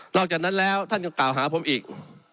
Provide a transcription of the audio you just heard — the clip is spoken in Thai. อกจากนั้นแล้วท่านยังกล่าวหาผมอีก